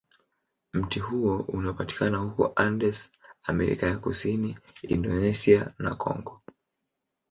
Mti huo unapatikana huko Andes, Amerika ya Kusini, Indonesia, na Kongo.